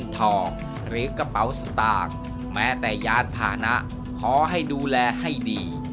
ทรัพยานผนะขอให้ดูแลให้ดี